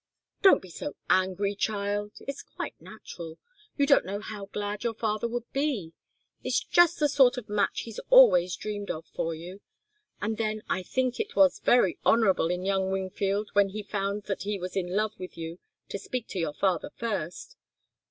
"Don't be so angry, child. It's quite natural. You don't know how glad your father would be. It's just the sort of match he's always dreamed of for you. And then I think it was very honourable in young Wingfield, when he found that he was in love with you, to speak to your father first."